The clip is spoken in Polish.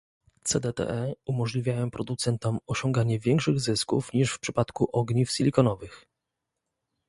CdTe umożliwiają producentom osiąganie większych zysków niż w przypadku ogniw silikonowych